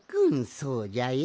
そうじゃよ。